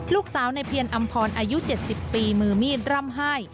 ลูกสาวในเพียรอำพรอายุ๗๐ปีมือมีดร่ำไห้